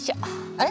あれ？